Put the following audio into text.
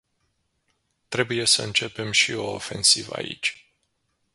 Trebuie să începem și o ofensivă aici.